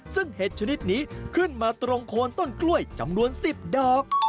ซึ่งเห็ดชนิดนี้ขึ้นมาตรงโคนต้นกล้วยจำนวน๑๐ดอก